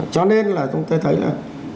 cho nên là chúng ta thấy là